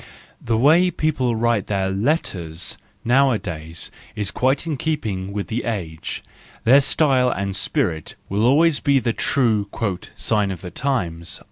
The way people write their letters nowadays is quite in keeping with the age; their style and spirit will always be the true " sign of the times."